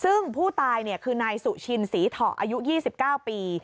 ซึ่งผู้ตายคือนายสุชินศรีเถาะอายุ๒๙ปี